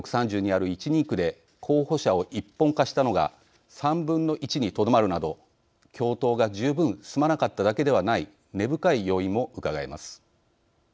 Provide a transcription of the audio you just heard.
３２ある１人区で候補者を一本化したのが３分の１にとどまるなど共闘が十分進まなかっただけではない根深い要因もうかがえます。